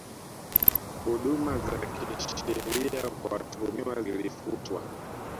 Huduma za kisheria kwa watuhumiwa zilifutwa